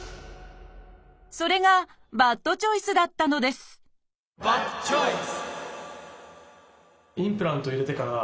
それがバッドチョイスだったのですバッドチョイス！